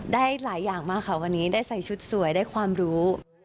ได้หลายอย่างมากค่ะวันนี้ได้ใส่ชุดสวยได้ความรู้